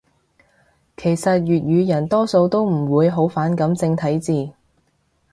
其實粵語人多數都唔會好反感正體字